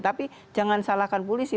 tapi jangan salahkan polisi